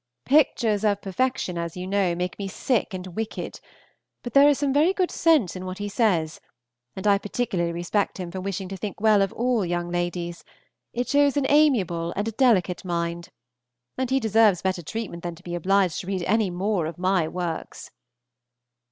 Pictures of perfection, as you know, make me sick and wicked; but there is some very good sense in what he says, and I particularly respect him for wishing to think well of all young ladies; it shows an amiable and a delicate mind. And he deserves better treatment than to be obliged to read any more of my works.